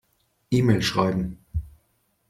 E-Mail schreiben.